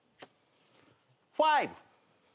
ファイブ。